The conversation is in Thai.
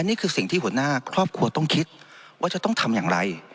นี่คือสิ่งที่หัวหน้าครอบครัวต้องคิดว่าจะต้องทำอย่างไร